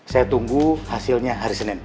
saya tunggu hasilnya hari senin